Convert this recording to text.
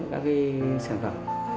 các cái sản phẩm